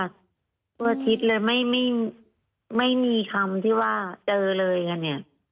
ทั่วอาทิตย์เลยไม่มีคำที่ว่าเจอเลยกันเนี่ย